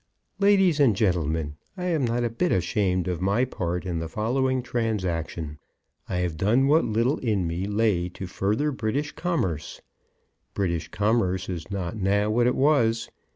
LADIES AND GENTLEMEN, I am not a bit ashamed of my part in the following transaction. I have done what little in me lay to further British commerce. British commerce is not now what it was.